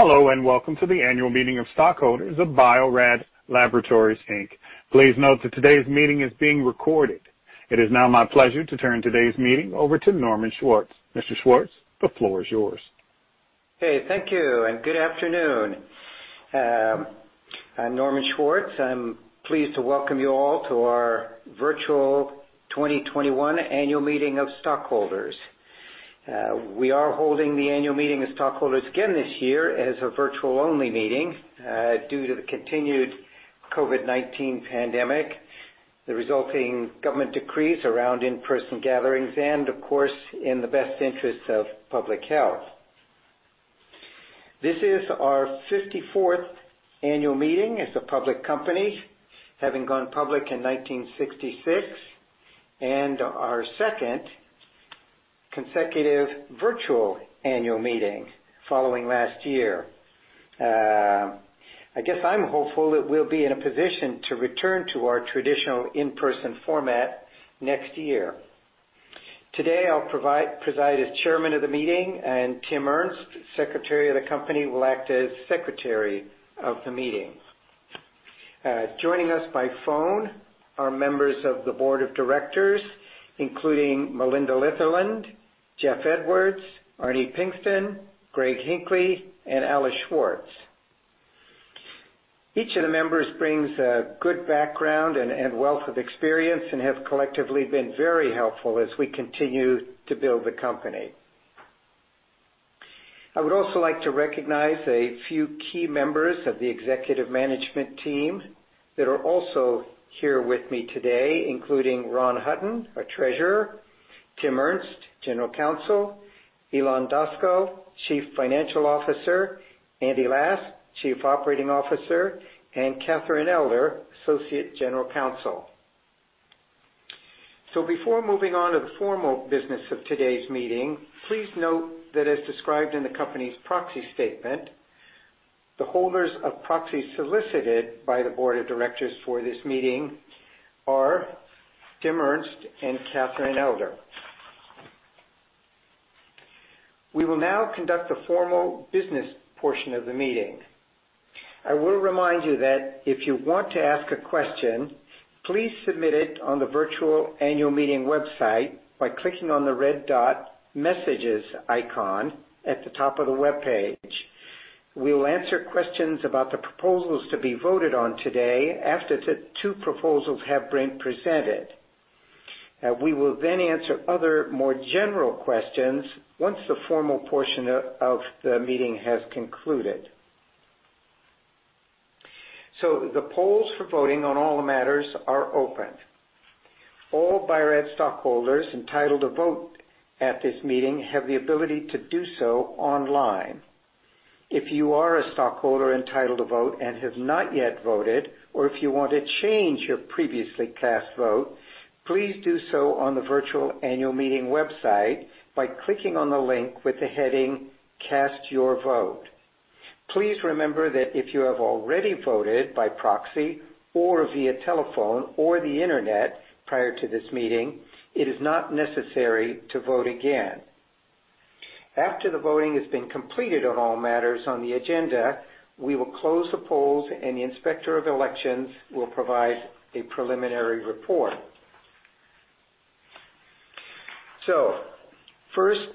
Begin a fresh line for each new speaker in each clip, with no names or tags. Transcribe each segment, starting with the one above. Hello and welcome to the annual meeting of stockholders of Bio-Rad Laboratories, Inc. Please note that today's meeting is being recorded. It is now my pleasure to turn today's meeting over to Norman Schwartz. Mr. Schwartz, the floor is yours.
Okay, thank you and good afternoon. I'm Norman Schwartz. I'm pleased to welcome you all to our virtual 2021 annual meeting of stockholders. We are holding the annual meeting of stockholders again this year as a virtual-only meeting due to the continued COVID-19 pandemic, the resulting government decrees around in-person gatherings, and of course in the best interests of public health. This is our 54th annual meeting as a public company, having gone public in 1966, and our second consecutive virtual annual meeting following last year. I guess I'm hopeful that we'll be in a position to return to our traditional in-person format next year. Today I'll preside as chairman of the meeting, and Tim Ernst, secretary of the company, will act as secretary of the meeting. Joining us by phone are members of the board of directors, including Melinda Litherland, Jeff Edwards, Arnie Pinkston, Greg Hinckley, and Alice Schwartz. Each of the members brings a good background and wealth of experience and have collectively been very helpful as we continue to build the company. I would also like to recognize a few key members of the executive management team that are also here with me today, including Ron Hutton, our Treasurer, Tim Ernst, General Counsel, Ilan Daskal, Chief Financial Officer, Andy Last, Chief Operating Officer, and Catherine Elder, Associate General Counsel. So before moving on to the formal business of today's meeting, please note that as described in the company's proxy statement, the holders of proxies solicited by the board of directors for this meeting are Tim Ernst and Catherine Elder. We will now conduct the formal business portion of the meeting. I will remind you that if you want to ask a question, please submit it on the virtual annual meeting website by clicking on the red dot messages icon at the top of the web page. We will answer questions about the proposals to be voted on today after the two proposals have been presented. We will then answer other more general questions once the formal portion of the meeting has concluded. So the polls for voting on all the matters are open. All Bio-Rad stockholders entitled to vote at this meeting have the ability to do so online. If you are a stockholder entitled to vote and have not yet voted, or if you want to change your previously cast vote, please do so on the virtual annual meeting website by clicking on the link with the heading "Cast Your Vote." Please remember that if you have already voted by proxy or via telephone or the internet prior to this meeting, it is not necessary to vote again. After the voting has been completed on all matters on the agenda, we will close the polls, and the inspector of elections will provide a preliminary report, so first,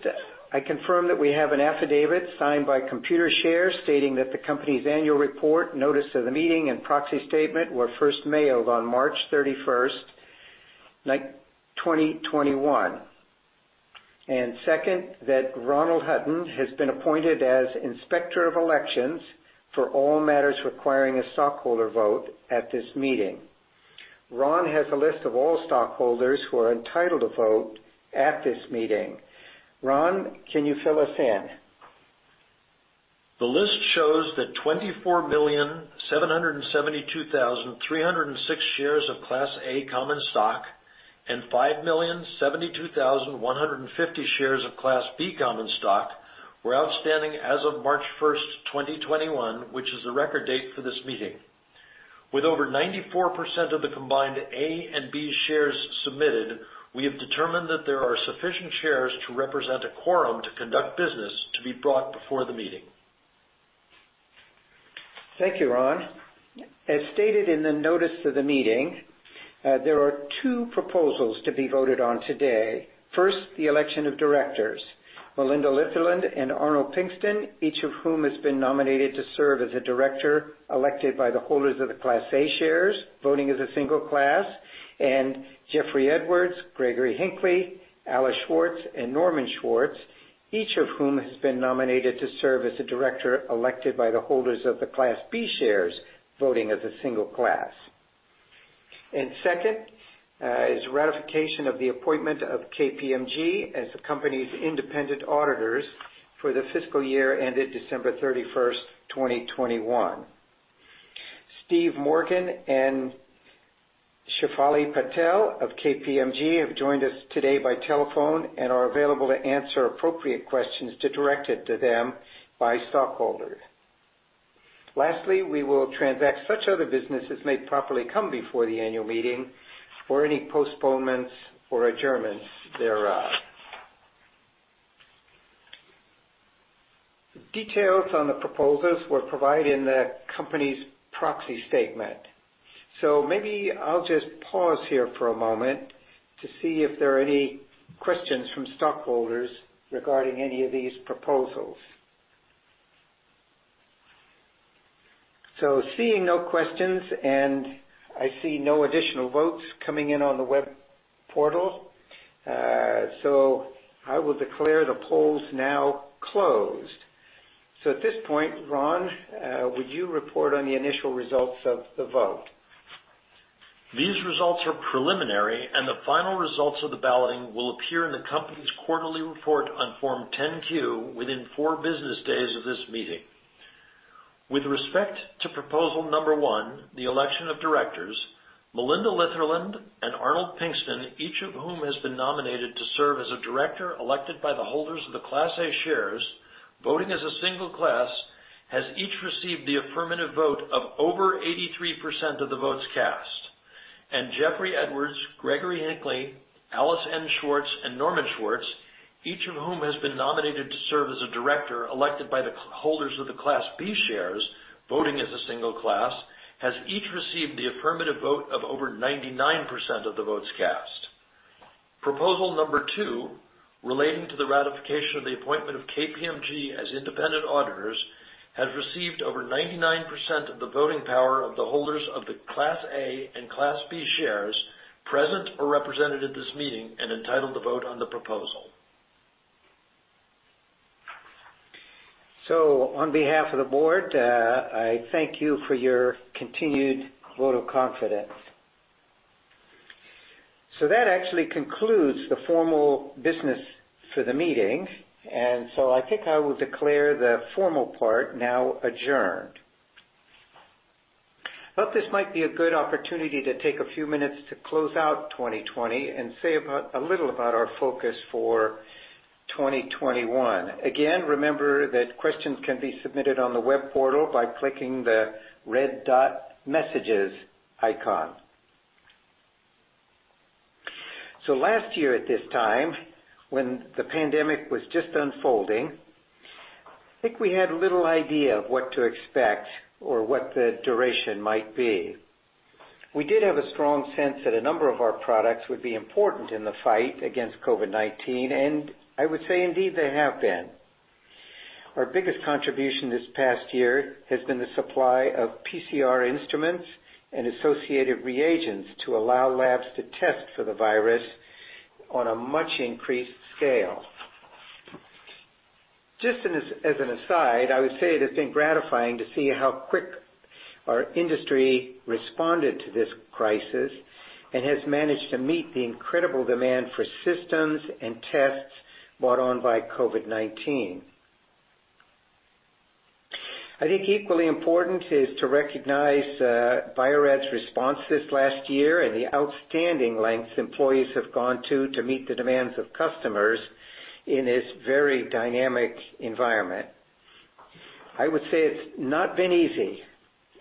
I confirm that we have an affidavit signed by Computershare stating that the company's annual report, notice of the meeting, and proxy statement were first mailed on March 31st, 2021. And second, that Ronald Hutton has been appointed as inspector of elections for all matters requiring a stockholder vote at this meeting. Ron has a list of all stockholders who are entitled to vote at this meeting. Ron, can you fill us in?
The list shows that 24,772,306 shares of Class A common stock and 5,072,150 shares of Class B common stock were outstanding as of March 1st, 2021, which is the record date for this meeting. With over 94% of the combined A and B shares submitted, we have determined that there are sufficient shares to represent a quorum to conduct business to be brought before the meeting.
Thank you, Ron. As stated in the notice of the meeting, there are two proposals to be voted on today. First, the election of directors. Melinda Litherland and Arnold Pinkston, each of whom has been nominated to serve as a director elected by the holders of the Class A shares, voting as a single class, and Jeffrey Edwards, Gregory Hinckley, Alice Schwartz, and Norman Schwartz, each of whom has been nominated to serve as a director elected by the holders of the Class B shares, voting as a single class, and second is ratification of the appointment of KPMG as the company's independent auditors for the fiscal year ended December 31st, 2021. Steve Morgan and Shefali Patel of KPMG have joined us today by telephone and are available to answer appropriate questions directed to them by stockholders. Lastly, we will transact such other business as may properly come before the annual meeting or any postponements or adjournments thereof. Details on the proposals were provided in the company's proxy statement. So maybe I'll just pause here for a moment to see if there are any questions from stockholders regarding any of these proposals. So seeing no questions, and I see no additional votes coming in on the web portal, so I will declare the polls now closed. So at this point, Ron, would you report on the initial results of the vote?
These results are preliminary, and the final results of the balloting will appear in the company's quarterly report on Form 10-Q within four business days of this meeting. With respect to proposal number one, the election of directors, Melinda Litherland and Arnold Pinkston, each of whom has been nominated to serve as a director elected by the holders of the Class A shares, voting as a single class, has each received the affirmative vote of over 83% of the votes cast, and Jeffrey Edwards, Gregory Hinckley, Alice N. Schwartz, and Norman Schwartz, each of whom has been nominated to serve as a director elected by the holders of the Class B shares, voting as a single class, has each received the affirmative vote of over 99% of the votes cast. Proposal number two, relating to the ratification of the appointment of KPMG as independent auditors, has received over 99% of the voting power of the holders of the Class A and Class B shares present or represented at this meeting and entitled to vote on the proposal.
On behalf of the board, I thank you for your continued vote of confidence. That actually concludes the formal business for the meeting, and so I think I will declare the formal part now adjourned. This might be a good opportunity to take a few minutes to close out 2020 and say a little about our focus for 2021. Again, remember that questions can be submitted on the web portal by clicking the red dot messages icon. Last year at this time, when the pandemic was just unfolding, I think we had a little idea of what to expect or what the duration might be. We did have a strong sense that a number of our products would be important in the fight against COVID-19, and I would say indeed they have been. Our biggest contribution this past year has been the supply of PCR instruments and associated reagents to allow labs to test for the virus on a much increased scale. Just as an aside, I would say it has been gratifying to see how quick our industry responded to this crisis and has managed to meet the incredible demand for systems and tests brought on by COVID-19. I think equally important is to recognize Bio-Rad's response this last year and the outstanding lengths employees have gone to meet the demands of customers in this very dynamic environment. I would say it's not been easy.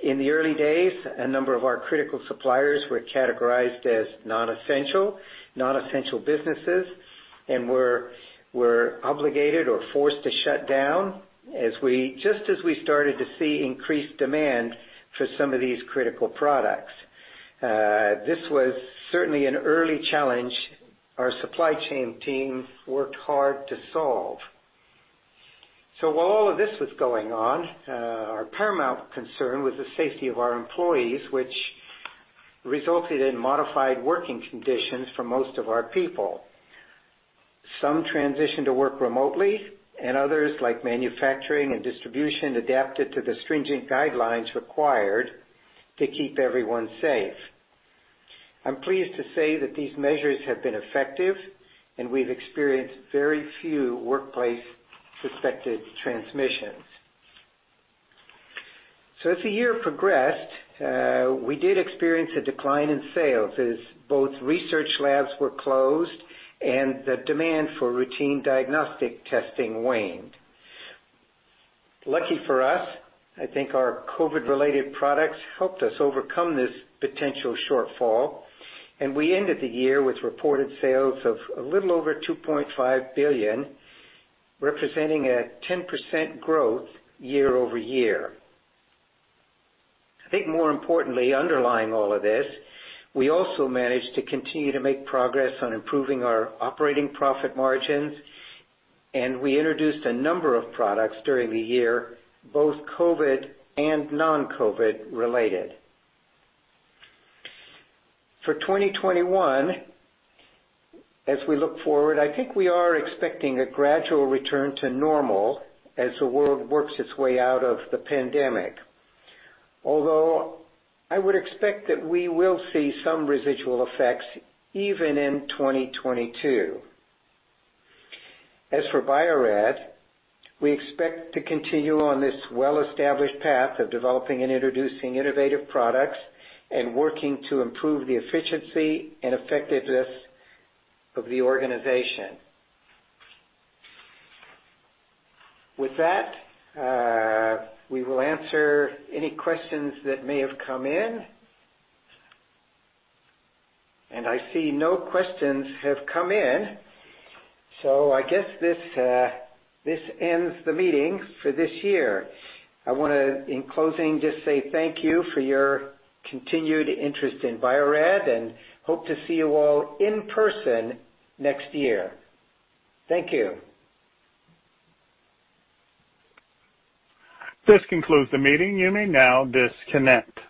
In the early days, a number of our critical suppliers were categorized as non-essential, non-essential businesses, and were obligated or forced to shut down just as we started to see increased demand for some of these critical products. This was certainly an early challenge our supply chain team worked hard to solve. So while all of this was going on, our paramount concern was the safety of our employees, which resulted in modified working conditions for most of our people. Some transitioned to work remotely, and others, like manufacturing and distribution, adapted to the stringent guidelines required to keep everyone safe. I'm pleased to say that these measures have been effective, and we've experienced very few workplace suspected transmissions. So as the year progressed, we did experience a decline in sales as both research labs were closed and the demand for routine diagnostic testing waned. Lucky for us, I think our COVID-related products helped us overcome this potential shortfall, and we ended the year with reported sales of a little over $2.5 billion, representing a 10% growth year-over-year. I think more importantly, underlying all of this, we also managed to continue to make progress on improving our operating profit margins, and we introduced a number of products during the year, both COVID and non-COVID related. For 2021, as we look forward, I think we are expecting a gradual return to normal as the world works its way out of the pandemic, although I would expect that we will see some residual effects even in 2022. As for Bio-Rad, we expect to continue on this well-established path of developing and introducing innovative products and working to improve the efficiency and effectiveness of the organization. With that, we will answer any questions that may have come in, and I see no questions have come in, so I guess this ends the meeting for this year. I want to, in closing, just say thank you for your continued interest in Bio-Rad and hope to see you all in person next year. Thank you.
This concludes the meeting. You may now disconnect.